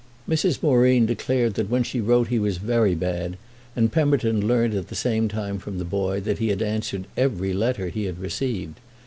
Mrs. Moreen declared that when she wrote he was very bad, and Pemberton learned at the same time from the boy that he had answered every letter he had received.